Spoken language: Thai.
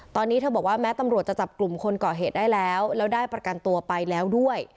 ตอนนี้เธอบอกว่าแม้ตำรวจจะจับกลุ่มคนก่อเหตุได้แล้วแล้วได้ประกันตัวไปแล้วด้วย